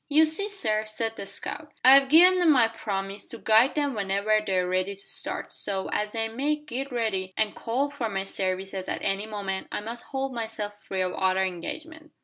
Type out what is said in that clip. "You see, sir," said the scout, "I've gi'n them my promise to guide them whenever they're ready to start, so, as they may git ready and call for my services at any moment, I must hold myself free o' other engagements.